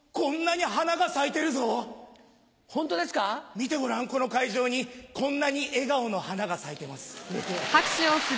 見てごらんこの会場にこんなに笑顔の花が咲いてます。